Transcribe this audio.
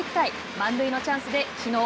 満塁のチャンスできのう